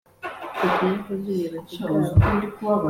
Tekinike n’izubuyobozi bwawo.